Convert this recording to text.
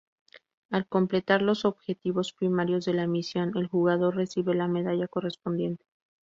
Al completar los objetivos primarios de la misión, el jugador recibe la medalla correspondiente.